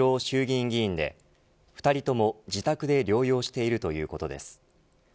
衆議院議員で２人とも自宅で療養しているということです。